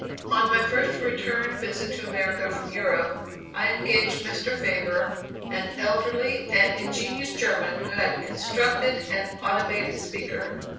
On my first return visit to America from Europe, I engaged Mr. Faber, an elderly and ingenious German, who had constructed an automaton speaker.